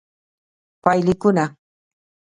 پایلیکونه: